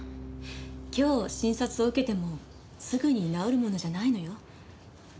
今日診察を受けてもすぐに治るものじゃないのよ。